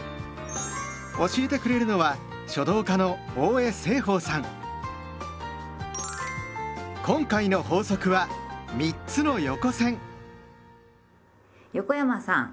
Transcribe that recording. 教えてくれるのは今回の法則は横山さん。